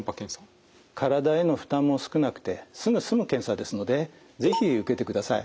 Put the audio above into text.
体への負担も少なくてすぐ済む検査ですので是非受けてください。